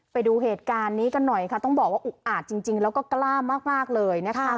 ไปดูเหตุการณ์นี้กันหน่อยค่ะต้องบอกว่าอุกอาจจริงแล้วก็กล้ามากเลยนะคะ